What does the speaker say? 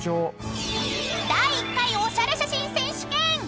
［第１回オシャレ写真選手権］